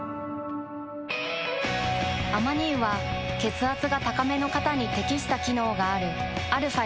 アマニ油は血圧が高めの方に適した機能があるαー